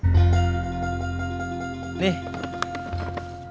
jalannya cepat amat